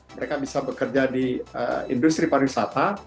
mereka bisa bekerja di industri pariwisata